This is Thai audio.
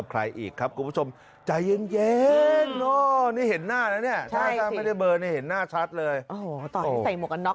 มันติดบ้างมันค่อยติดบ้างเรายังไม่ได้ไปแกล้ง